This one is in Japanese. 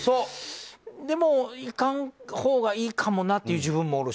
でも、行かないほうがいいかもという自分もおるし。